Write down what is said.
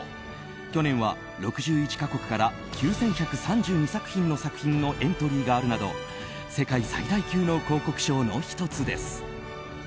去年は６１か国から９１３２作品のエントリーがあるなど世界最大級の広告賞の１つです。